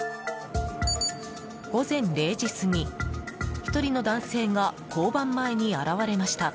午前０時過ぎ１人の男性が交番前に現れました。